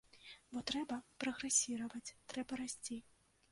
Бо трэба прагрэсіраваць, трэба расці.